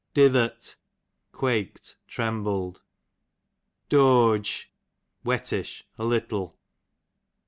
Dithert, quaked, treyribled. Doage, wettish, a little.